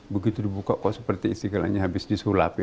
begitu dibuka kok seperti istiqlal ini habis disulap ya